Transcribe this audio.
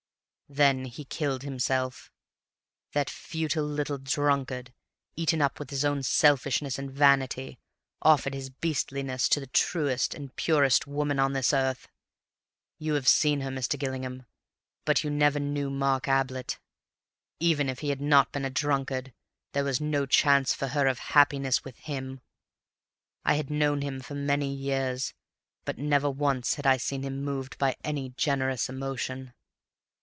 "Then he killed himself. That futile little drunkard, eaten up with his own selfishness and vanity, offered his beastliness to the truest and purest woman on this earth. You have seen her, Mr. Gillingham, but you never knew Mark Ablett. Even if he had not been a drunkard, there was no chance for her of happiness with him. I had known him for many years, but never once had I seen him moved by any generous emotion.